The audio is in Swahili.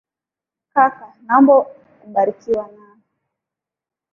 Kaka naomba, kubarikiwa nawe.